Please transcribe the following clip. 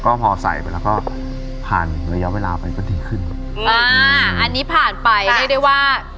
ก็พอใส่ไปแล้วก็ผ่านระยะเวลาไปก็ดีขึ้นอ่าอันนี้ผ่านไปเรียกได้ว่า